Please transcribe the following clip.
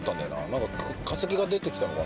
何か化石が出てきたのかな？